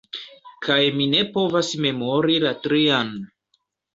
Kaj mi ne povas memori la trian!